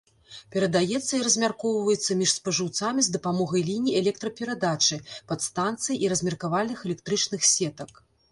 Перадаецца і размяркоўваецца між спажыўцамі з дапамогай ліній электраперадачы, падстанцый і размеркавальных электрычных сетак.